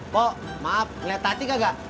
pok maaf lihat tadi kagak